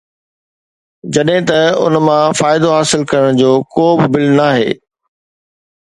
جڏهن ته ان مان فائدو حاصل ڪرڻ جو ڪو به بل ناهي